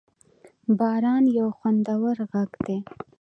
باران یو خوندور غږ لري.